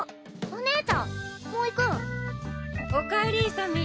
おかえりさみ。